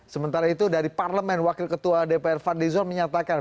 sementara itu dari parlemen wakil ketua dpr van de zoon menyatakan